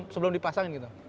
sebelum dipasangin gitu